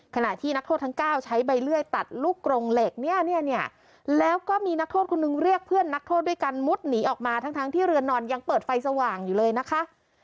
ขณะที่นักโทษทั้ง๙ใช้ใบเลื่อยตัดลูกกรงเหล็กเนี่ยแล้วก็มีนักโทษคนนึงเรียกเพื่อนนักโทษด้วยกันมุดหนีออกมาทั้งที่เรือนนอนยังเปิดไฟสว่างอยู่เลยนะคะ